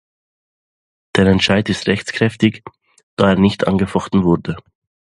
Der Entscheid ist rechtskräftig, da er nicht angefochten wurde.